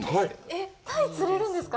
えっ、鯛、釣れるんですか？